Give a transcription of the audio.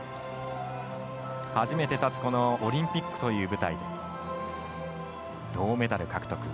初めて立つオリンピックという舞台で銅メダル獲得。